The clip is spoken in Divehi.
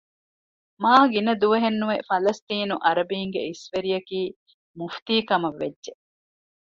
މާގިނަ ދުވަހެއް ނުވެ ފަލަސްޠީނު އަރަބީންގެ އިސްވެރިއަކީ މުފްތީކަމަށް ވެއްޖެ